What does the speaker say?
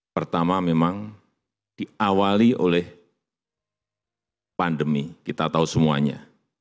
pertama memang diawali oleh pandemi kita tahu semuanya